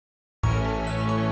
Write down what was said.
eh ustadzah ustazah